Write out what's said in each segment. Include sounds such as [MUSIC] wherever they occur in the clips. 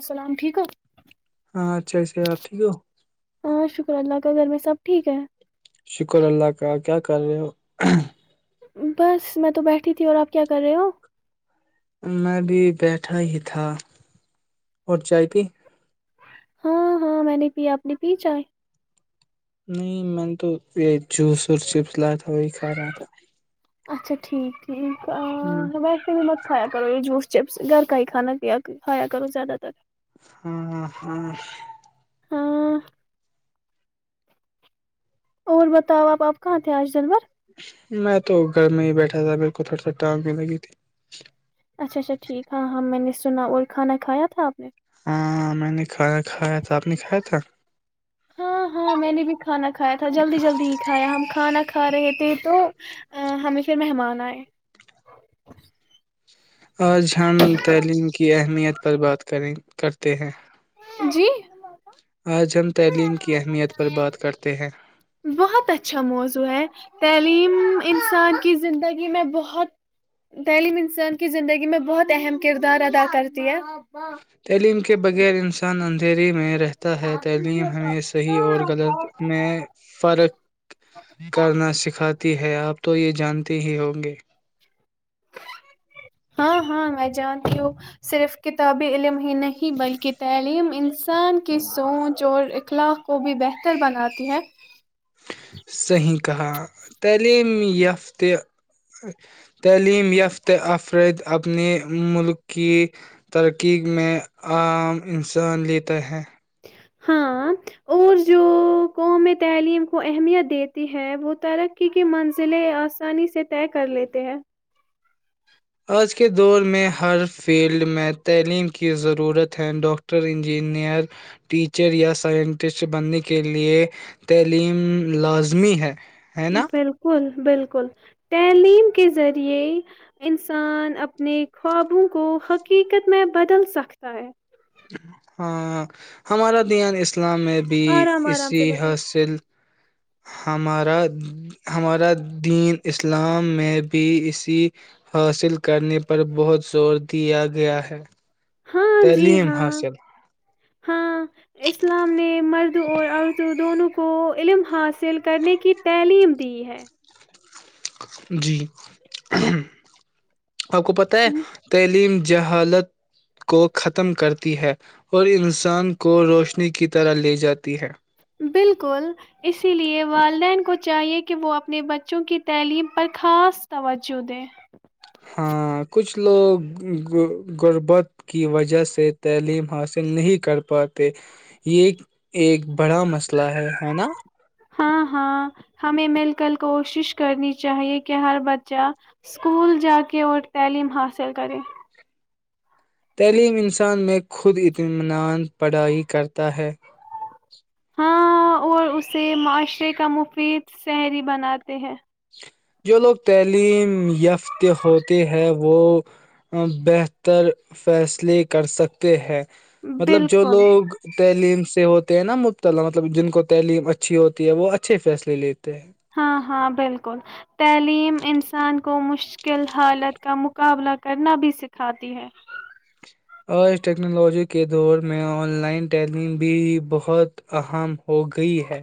السلام ٹھیک ہو [UNINTELLIGIBLE] ہاں اچھا ایسے آپ ٹھیک ہو [UNINTELLIGIBLE] ہاں شکر اللہ کا گھر میں سب ٹھیک ہے [UNINTELLIGIBLE] شکر اللہ کا کیا کر رہے ہو بس میں تو بیٹھی تھی اور آپ کیا کر رہے ہو میں بھی بیٹھا ہی تھا اور جائے بھی ہاں ہاں میں نے پیا اپنی پی چائے نہیں میں نے تو یہ جوس اور چپس لات اچھا ٹھیک ٹھیک ا [UNINTELLIGIBLE] کھایا کرو یہ جوس چپس گھر کا ہی کھانا پیا کایا کرو زیادہ تر ہاں ہاں ہاں اور بتاؤ آپ آپ کہاں تھے آج جنور میں تو گھر میں ہی بیٹھا تھا میر کو تھوڑا سی ٹانگ بھی لگی تھی اچھا اچھا ٹھیک ہاں ہاں میں نے سنا اور کھانا کا تھا آپ نے ہاں میں نے کھایا کھایا تھا آپ نے کھایا تھا [UNINTELLIGIBLE] ہاں ہاں میں نے بھی کھانا کھایا تھا جلدی جلدی ہی کھایا ہم کھانا کھا رہے تھے تو ہمیں پھر مہمان آئے [INAUDIBLE] آج ہم تعلیم کی اہمیت پر بات کریں کرتے ہیں جی آج ہم تعلیم کی اہمیت پر بات کرتے ہیں بہت اچھا موضوع ہے تعلیم انسان کی زندگی میں بہت تعلیم انسان کی زندگی میں بہت اہم کردار ادا کرتی ہے تعلیم کے بغیر انس تتان اندھیری میر ہے ت ہے تعلیم ہمیں صحیح اور غلط میں فرق کرنا سیکھ کھاتی ہے آپ تو یہ جانتے ہی ہوں گے ہاں ہاں میں جانتی ہوں صرف کتابی علم ہی نہیں بلکہ تعلیم ان انسان کی سوچ اور اخلاق کو بھی بہتر بناتی ہیں صحیح کہا تعلیم یافت تعلیم یافت افرد اپنے ملک کی ترقی میں عام انسان لیتا ہے ہاں اور جو قوم تعلیم کو اہمیت دیتی ہے وہ ترقی کی منزلیں آسانی سے طے کر لیتے ہیں آج کے دور میں ہر فیلڈ میں تعلیم کی ضرورت ہے ڈاکٹر انجینئر ٹیچر یا سائنٹسٹ بننے کے لئے تعلیم لازمی ہے ہے نا بالکل بالکل بالکل تعلیم کے ذریعے انسان اپنے خوابوں کو حقیقت میں بدل سکتا ہے ہاں ہمارا دھیان اس اسلام میں بھی آرام آرام اسی سے بتاؤ حاصل ہمارا دین اسلام میں بھی اسی حاصل کرنے پر بہت زور دیا گیا ہے ہاں جی تعلیم ہاں حاصل ہاں اسلام نے مرد اور عورتوں دونوں کو کو علم حاصل کرنے کی تعلیم دی ہے جی آپ کو پتہ ہے تعلیم ج حالت کو ختم کرتی ہے اور انسان کو روشنی کی طرح لے جاتی ہے بالکل اسی لیے والدین کو چاہیے کہ وہ اپنے بچوں کی تعلیم پر خاص توجہ دیں ہاں کچھ لوگ غربت کی وجہ سے تعلیم حاصل نہیں کر پاتے یہ ایک بڑا مسئلہ ہے ہے نا ہاں ہاں ہمیں مل کرل کوشش کرنی چاہیے کہ ہر بچہ اسکول جا کے اور تعلیم حاصل کرے تعلیم انسان میں خود اطمینان پڑھائی کرتا ہے ہاں اور اسے معاشرے کا مفید شحری بناتے ہیں جو لوگ تعلیم یافت ہوتے ہے وہ بہتر فیصلے کر سکتے ہیں مطلب جو بالکل لوگ تعلیم سے ہوتے ہیں نا مبتلا مطلب جن کو تعلیم اچھی ہوتی ہے وہ اچھے فیصلے لیتے ہیں ہاں ہاں بالکل تعلیم انسان کو مشکل حالت کا مقابلہ کرنا بھی سکھاتی ہے آج ٹیکنالوجی کے دور میں آن لائن تعلیم بھی بہت اہم ہو گئی ہے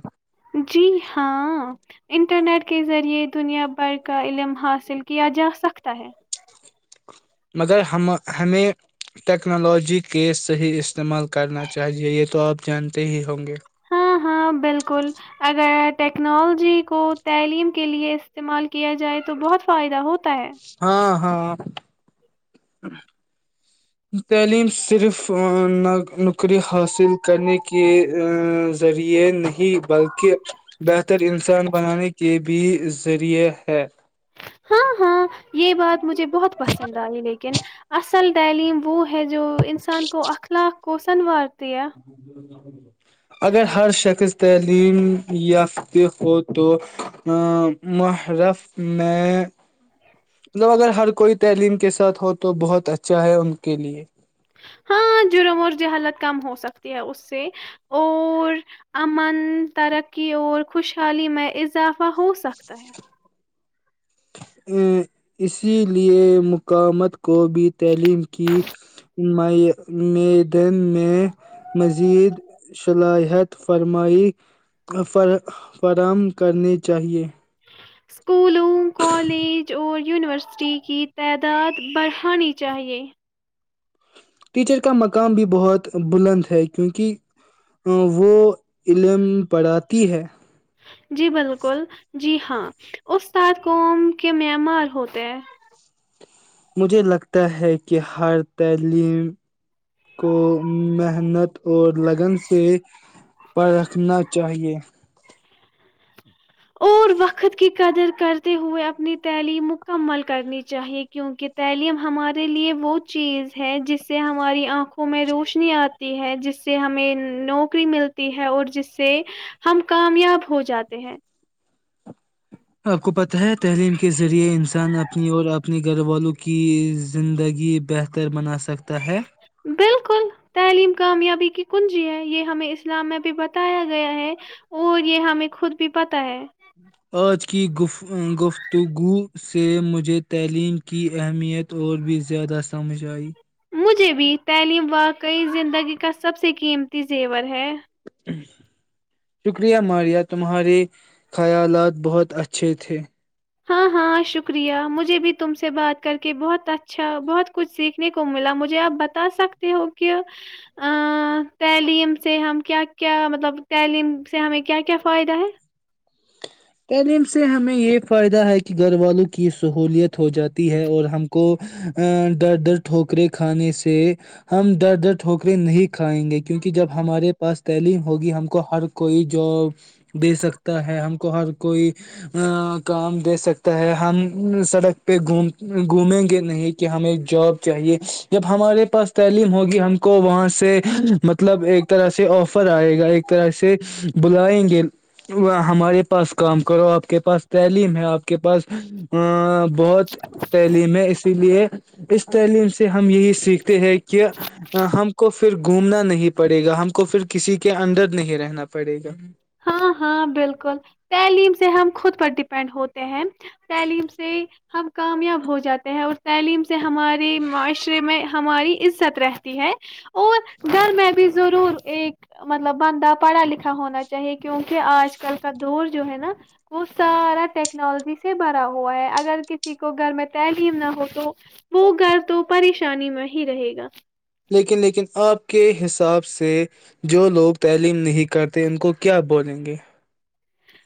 جی ہاں انٹرنیٹ کے ذریعے دنیا بھر کا علم حاصل کیا جا سکتا ہے مگر ہم ہمیں ٹیکنالوجی کے صحیح استعمال کرنا چاہیے یہ تو آپ جانتے ہی ہوں گے ہاں ہاں بالکل اگر ٹیکنالوجی کو تعلیم کے لیے استعمال کیا جائے تو بہت فائدہ ہوتا ہے ہاں ہاں تعلیم صرف نوکری حاصل کرنے کے ذریعے نہیں بلکہ بہتر انسان بنانے کے بھی ذریعے ہے ہاں ہاں یہ بات مجھے بہت پسند آئی لیکن ا ال تعلیم وہ ہے ہے جو انسان کو اخلاق کوسنوار ہ [INAUDIBLE] اگر ہر شخص تعلیم یافت ہو تو ا محرف میں مطلب اگر ہر کوئی تعلیم کے ساتھ ہو تو بہت اچھا ہے ان کے لیے ہاں جرم اور جہالت کم ہو سکتی ہے ا سے اور امن ترقی اور خوشحالی میں اضافہ ہو سکتا ہے ا اسی لیے مقامت کو بھی تعلیم کییدن میں مزید صلاحیت فرمائی ف فراہم کرنی چاہیے اسکولوں کالج اور یونیورسٹی کی تعداد بڑھانی چاہیے ٹیچر کا مقام بھی بہت بلند ہے کیونکہ وہ علم پڑھاتی ہے جی بالکل جی ہاں اتاد قوم کے ممار ہوتے ہیں مجھے لگتا ہے کہ ہر تعلیم کو محنت اور لگن سے پ رکھنا چاہیئے اور وقت کی قدر کرتے ہوئے اپنی تعلیم مکمل کرنی چاہیے کیونکہ تعلیم ہمارے لیے وہ چیز ہے جس سے ہماری آنکھوں میں روشنی آتی ہے جس سے ہمیں نوکری ملتی ہے اور جس سے ہم کامیاب ہو جاتے ہیں آپ کو پتہ ہے تعلیم کے ذریعے انسان اپنی اور اپنے گھر والوں کی زندگی بہتر بنا سک بالکل تعلیم کامیابی کی کنجی ہے یہ ہمیں اسلام میں بھی بتایا گیا ہے اور یہ ہمیں خود بھی پتہ ہے آج کی گفتگو سے مجھے تعلیم کی اہمیت اور بھی زیادہ سمجھ آئی مجھے بھی تعلیم واقعی زندگی کا سب سے قیمتی زیور ہے شکریہ ماریا تمہارے خیالات بہت اچھے تھے ہاں ہاں شکریہ مجھے بھی تم سے بات کر کے بہت اچھا بہت کچھ سیکھنے کو ملا مجھے آپ بتا سکتے ہو کہ تعلیم سے ہم کیا کیا مطلب تعلیم سے ہمیں کیا کیا فائدہ ہے تعلیم سے ہمیں یہ فائدہ ہے کہ گھر والوں کی سہولیت ہو جاتی ہے اور ہم کو ڈر در ٹھوکرے کھانے سے ہم در در ٹھوکرے نہیں کھائیں گے کیونکہ جب ہمارے پاس تعلیم ہوگی ہم کو ہر کوئی جاب دے سکتا ہے ہم کو ہر کوئی کام دے سکتا ہے ہم سڑک پہ گھوم گھومیں گے نہیں کہ ہمیں جاب چاہیے جب ہمارے پاس تعلیم ہوگی ہم کو وہاں سے مطلب ایک طرح سے آفر آئے گا ایک طرح سے بلائیں گے ہمارے پاس کام کرو آپ کے پاس تعلیم ہے آپ کے پاس بہت تعلیم ہے اس لیے اس تعلیم سے ہم یہی سیکھتے ہیں کہ کہ ہم کو پھر گھومنا نہیں پڑے گا ہم کو پھر کسی کے اندر نہیں رہنا پڑے گا ہاں ہاں بالکل تعلیم سے ہم خود پر ڈیپینڈ ہوتے ہیں تعلیم سے ہم کامیاب ہو جاتے ہیں اور تعلیم سے اس سے ہمارے معاشرے میں ہماری عزت رہتی ہے اور گھر میں بھی ضرور ایک مطلب بندہ پڑھا لکھا ہونا چاہیے کیونکہ آج کل کا دور جو ہے نا وہ سارا ٹیکنالوجی سے بھرا ہوا ہے اگر کسی کو گھر میں تعلیم نہ ہو تو وہ گھر تو پریشانی میں ہی رہے گا لیکن لیکن آپ کے حساب سے جو لوگ تعلیم نہیں کرتے ان کو کیا بولیں گے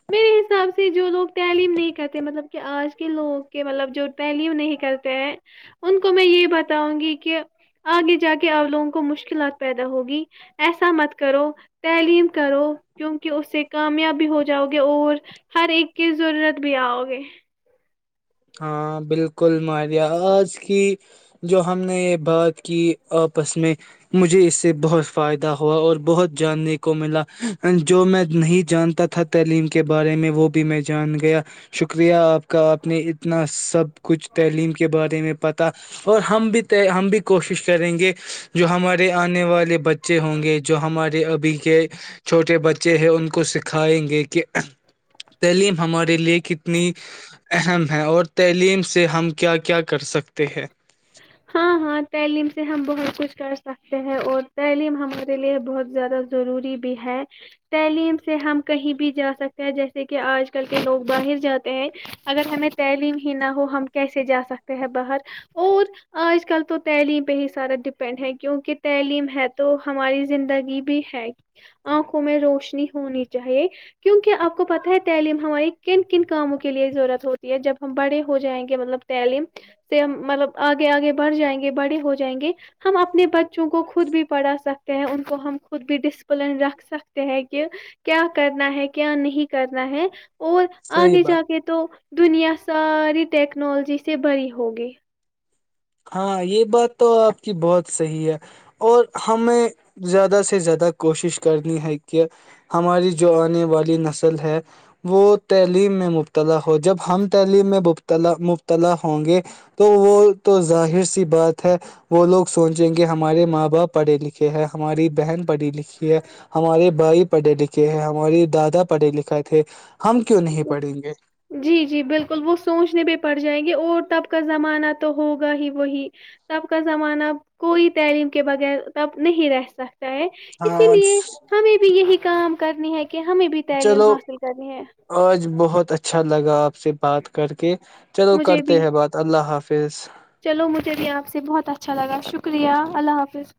میرے حساب سے جو لوگ تعلیم نہیں کرتے مطلب کہ آج کے لوگ کے مطلب جو تعلیم نہیں کرتے ہیں ان کو میں یہ بتاؤں گی کہ آگے جا کے اپ لوگوں کو مشکلات پیدا ہوگی ایسا مت کرو تعلیم کرو کیونکہ اس سے کامیابی ہو جاؤ گے اور ہر ایک کی ضرورت بھی آؤ گے ہاں بالکل مارہ آج کی جو ہم نے یہ بات کی آپس میں مجھے اس سے بہت فائدہ ہوا اور بہت جاننے کو ملا جو میں نہیں جانتا تھا تعلیم کے بارے میں وہ بھی میں جان گیا شکریہ آپ [UNINTELLIGIBLE] ن سب کچھ تعلیم کے بارے میں پتا اور ہم بھی ہم بھی کوشش کریں گے جو ہمارے آنے والے بچے ہوں گے جو ہمارے ابھی کے چھوٹے بچے ہیں ان کو سکھائیں گے کہ تعلیم ہمارے لیے کتنی اہم ہے ہیں اور تعلیم سے ہم کیا کیا کر سکتے ہیں ہاں ہاں تعلیم سے ہم بہت کچھ کر سکتے ہیں اور تعلیم ہمارے لیے بہت زیادہ ضروری بھی ہے تعلیم سے ہم کہیں بھی جا سکتے ہیں جیسے کہ آج کل کے لوگ باہر جاتے ہیں اگر ہمیں تعلیم ہی نہ ہو ہم کیسے جا سکتے ہیں باہر اور آج کل تو تعلیم پہ ہی سارا ڈپینڈ ہے کیونکہ تعلیم ہے تو ہماری زندگی بھی ہے آنکھوں میں روشنی ہونی چاہیے کیونکہ آپ کو پتہ ہے تعلیم ہماری کن کن کاموں کے لیے ضرورت ہوتی ہے جب ہم بڑے ہو جائیں گے مطلب تعلیم سے مطلب آگے آگے بڑھ جائیں گے بڑے ہو جائیں گے ہم اپنے بچوں کو خود بھی پڑھا سکتے ہیں ان کو ہم خود بھی ڈسپلن رکھ سکتے ہیں کہ کیا کرنا ہے کیا نہیں کرنا ہے اور صحیح آگے بات جا کے تو دنیا ساری ٹیکنالوجی سے بڑی ہوگی ہاں یہ بات تو آپ کی بہت صحیح ہے اور ہمیں زیادہ سے زیادہ کوشش کرنی ہے کہ ہماری جو آنے والی نسل ہے وہ تعلیم میں مبتلا ہو جب ہم تعلیم میں مبتلا مبتلا ہوں گے تو وہ تو ظاہر سی بات ہے وہ لوگ سوچیں گے ہمارے ماں باپ پڑھے لکھے ہیں ہماری بہن پڑھی لکھی ہے ہمارے بھائی پڑھے لکھے ہیں ہمارے دادا پڑھے لکھے تھے ہم کیوں نہیں پڑھیں گے جی جی بالکل وہ سوچنے بھی پڑ جائیں گے اور تب کا زمانہ تو ہوگا ہی وہی تب کا زمانہ کوئی تعلیم کے بغیر تب نہیں رہ سکتا ہے اسی ہاں لیے ہمیں بھی یہی کام [UNINTELLIGIBLE] کہ ہمیں بھی تعلیم چلو حاصل کرنی ہے آج بہت اچھا لگا سے بات کر کے چلو مجھے کرتے بھی ہیں بات اللہ حافظ [UNINTELLIGIBLE] چلو مجھے بھی آپ سے بہت اچھا لگا شکریہ اللہ حافظ